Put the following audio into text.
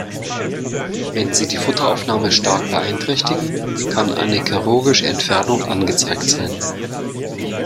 Wenn sie die Futteraufnahme stark beeinträchtigen, kann eine chirurgische Entfernung angezeigt sein.